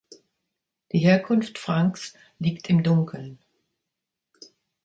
Die Herkunft Franks liegt im Dunkeln.